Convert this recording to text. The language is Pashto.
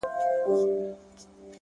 o دا ستا په ياد كي بابولاله وايم؛